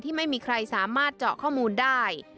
ไม่มีใครสามารถเจาะข้อมูลได้